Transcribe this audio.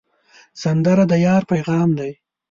سندره د یار پیغام دی